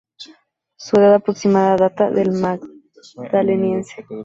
Su edad aproximada data del Magdaleniense.